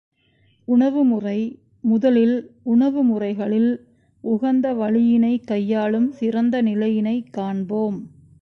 உணவு முறை முதலில் உணவு முறைகளில் உகந்த வழியினைக் கையாளும் சிறந்த நிலையினைக் காண்போம்.